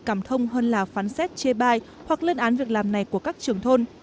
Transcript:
cảm thông hơn là phán xét chê bai hoặc lên án việc làm này của các trưởng thôn